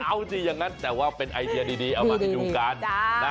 เอาสิอย่างนั้นแต่ว่าเป็นไอเดียดีเอามาให้ดูกันนะ